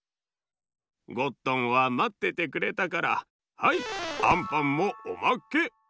ゴットンはまっててくれたからはいあんパンもおまけ！